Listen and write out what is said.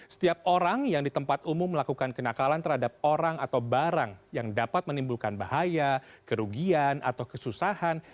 setiap orang yang di tempat umum melakukan kenakalan terhadap orang atau barang yang dapat menimbulkan bahaya kerugian atau kesusahan